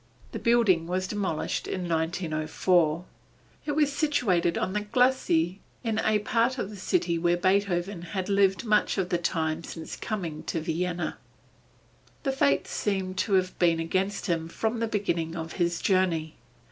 The building was demolished in 1904. It was situated on the glacis, in a part of the city where Beethoven had lived much of the time since coming to Vienna. The fates seem to have been against him from the beginning of his journey.